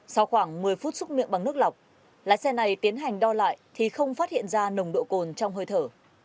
sau khoảng một mươi phút xúc miệng bằng nước lọc lái xe này tiến hành đo lại thì không phát hiện ra nồng độ cồn trong hơi thở